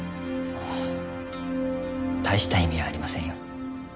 ああ大した意味はありませんよ。